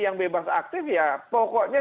yang bebas aktif ya pokoknya